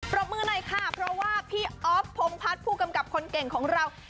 รบมือหน่อยค่ะเพราะว่าพี่อ๊อฟพงพัฒน์ผู้กำกับคนเก่งของเรา